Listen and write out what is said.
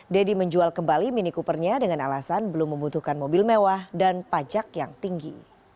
deddy menjual kembali mini coopernya dengan alasan belum membutuhkan mobil mewah dan pajak yang tinggi